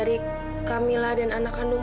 susah ambil dengerinmo ini ngebek